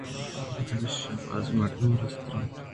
پمیشا باز مردم رستر ءَ اَنت